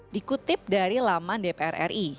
dikutip dari laman dpr ri